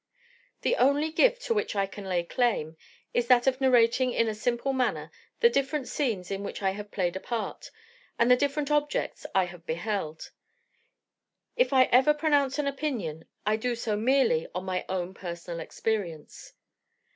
The only gift to which I can lay claim is that of narrating in a simple manner the different scenes in which I have played a part, and the different objects I have beheld; if I ever pronounce an opinion, I do so merely on my own personal experience.